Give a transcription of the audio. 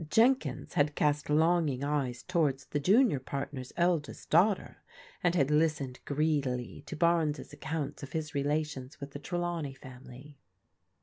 Jenkins had cast longing eyes towards the junior partner's eldest daughter, and had listened greedily to Barnes' accounts of hb relations with die Trelawnev familv.